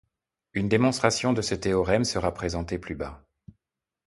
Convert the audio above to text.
Une démonstration de ce théorème sera présentée plus bas.